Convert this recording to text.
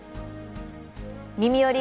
「みみより！